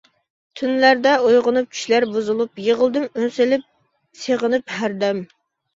تۈنلەردە ئويغىنىپ چۈشلەر بۇزۇلۇپ، يىغلىدىم ئۈن سېلىپ سېغىنىپ ھەردەم.